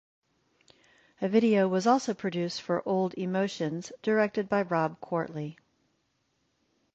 A video was also produced for "Old Emotions", directed by Rob Quartly.